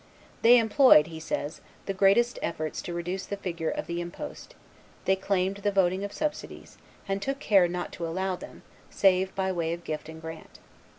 "They employed," he says, "the greatest efforts to reduce the figure of the impost; they claimed the voting of subsidies, and took care not to allow them, save by way of gift and grant.